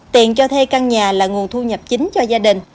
tiền cho thuê căn nhà là nguồn thu nhập chính cho gia đình